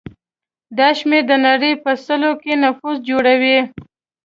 دا شمېر د نړۍ په سلو کې نفوس جوړوي.